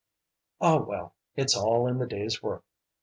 "Ah, well it's all in the day's work!"